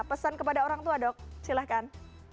pesan kepada orang tua dok silahkan